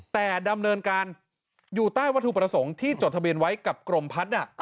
แต่ดำเนินการอยู่ใต้วัตถุประสงค์ที่จดทะเบียนไว้กับกรมพัฒน์